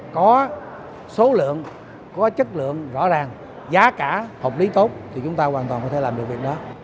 có số lượng có chất lượng rõ ràng giá cả hợp lý tốt thì chúng ta hoàn toàn có thể làm được việc đó